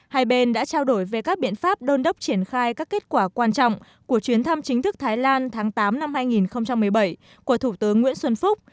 hai bên đã trao đổi về các biện pháp đôn đốc triển khai các kết quả quan trọng của chuyến thăm chính thức thái lan tháng tám năm hai nghìn một mươi bảy của thủ tướng nguyễn xuân phúc